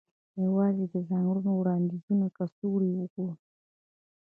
یوازې د ځانګړو وړاندیزونو کڅوړې وګوره